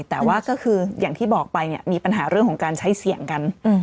แต่ว่าก็คืออย่างที่บอกไปเนี่ยมีปัญหาเรื่องของการใช้เสี่ยงกัน